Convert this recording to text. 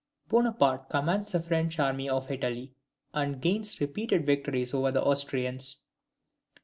Bonaparte commands the French army of Italy and gains repeated victories over the Austrians.